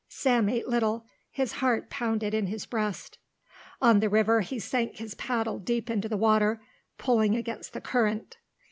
Sam ate little. His heart pounded in his breast. On the river he sank his paddle deep into the water, pulling against the current.